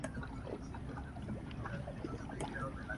El equipo participa del torneo de fútbol de los Juegos de las Islas.